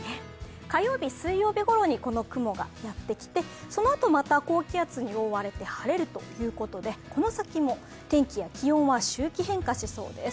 火曜日、水曜日ごろにこの雲がやってきて、そのあと、また高気圧に覆われて晴れるということでこの先も天気や気温は周期変化しそうです。